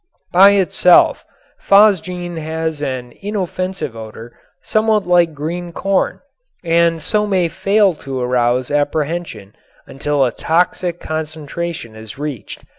By itself phosgene has an inoffensive odor somewhat like green corn and so may fail to arouse apprehension until a toxic concentration is reached.